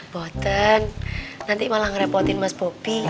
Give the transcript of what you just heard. boten nanti malah ngerepotin mas bobby